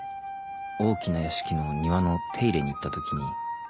大きな屋敷の庭の手入れに行った時に